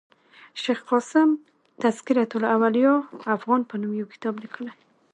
شېخ قاسم تذکرة الاولياء افغان په نوم یو کتاب لیکلی ؤ.